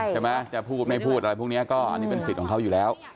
ใช่ไหมจะพูดไม่พูดอะไรพวกนี้ก็อันนี้เป็นสิทธิ์ของเขาอยู่แล้ว